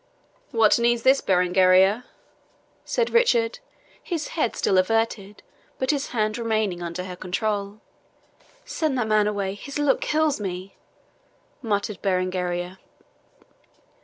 "What needs this, Berengaria?" said Richard, his head still averted, but his hand remaining under her control. "Send away that man, his look kills me!" muttered Berengaria.